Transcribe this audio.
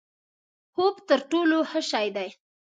خوب تر ټولو ښه شی دی؛